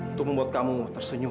untuk membuat kamu tersenyum